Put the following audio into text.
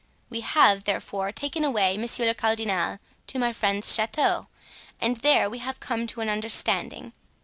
We have therefore taken away monsieur le cardinal to my friend's chateau and there we have come to an understanding.